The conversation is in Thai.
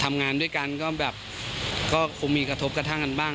ทำงานด้วยกันก็แบบก็คงมีกระทบกระทั่งกันบ้าง